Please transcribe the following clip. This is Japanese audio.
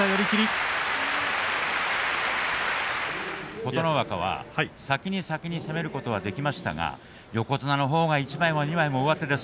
琴ノ若は先に先に攻めることはできましたが横綱のほうが一枚も二枚も上手です。